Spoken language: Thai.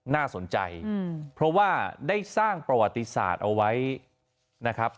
น่าสนใจเพราะว่าได้สร้างประวัติศาสตร์เอาไว้นะครับ